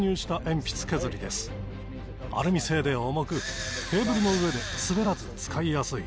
で重くテーブルの上で滑らず使いやすい。